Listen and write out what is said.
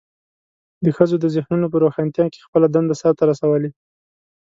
د ښځو د ذهنونو په روښانتیا کې خپله دنده سرته رسولې.